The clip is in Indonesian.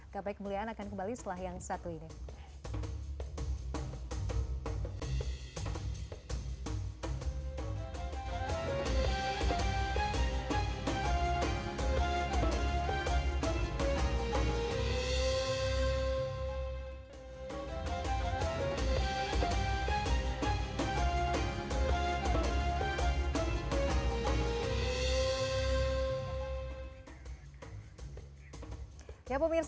kabar kemuliaan akan kembali setelah yang satu ini